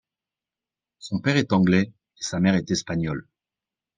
Son père est anglais et sa mère est espagnole.